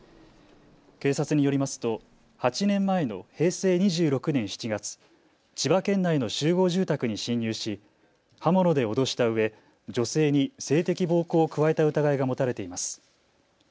警察によりますと８年前の平成２６年７月、千葉県内の集合住宅に侵入し刃物で脅したうえ、女性に性的暴行を加えた疑いが持たれています。